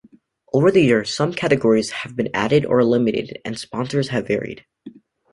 Over the years, some categories have been added or eliminated and sponsors have varied.